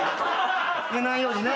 寝ないようにね。